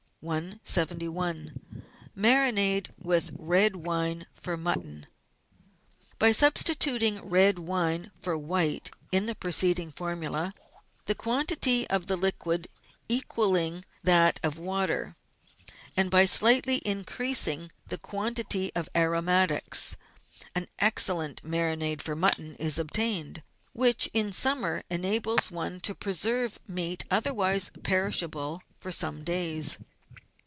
171— MARINADE WITH RED WINE FOR MUTTON By substituting red wine for white in the preceding formula — the quantity of the liquid equalling that of the water — and by slightly increasing the quantity of aromatics, an excellent marinade for mutton is obtained, which in summer enables one to preserve meat, otherwise perishable, for some days.